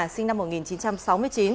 sinh năm một nghìn chín trăm sáu mươi chín